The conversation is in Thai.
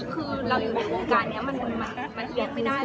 ก็พูดความจริงเรื่อย